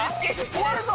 終わるぞ・